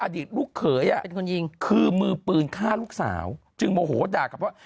อดีตลูกเขยเป็นคนยิงคือมือปืนฆ่าลูกสาวจึงโมโหด่ากลับว่า